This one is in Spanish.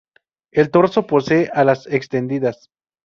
El torso posee alas extendidas.